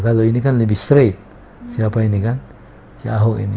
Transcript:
kalau ini kan lebih straight siapa ini kan si ahok ini